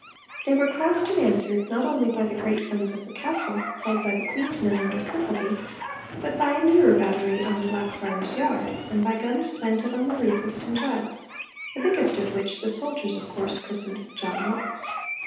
They were crossed and answered, not only by the great guns of the castle, held by the Queen's Men under Kirkaldy, but by a nearer battery on the Blackfriars' Yard, and by guns planted on the roof of St Giles (the biggest of which the soldiers of course christened 'John Knox').